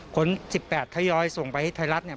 คน๑๘ทยอยส่งไปให้ไทยรัฐเนี่ย